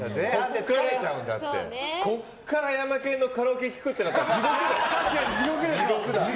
ここからヤマケンのカラオケ聴くとなったら地獄だよ。